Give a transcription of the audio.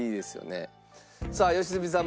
さあ良純さん